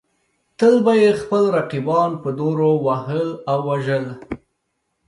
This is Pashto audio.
تل به یې خپل رقیبان په نورو وهل او وژل.